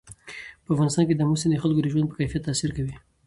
په افغانستان کې آمو سیند د خلکو د ژوند په کیفیت تاثیر کوي.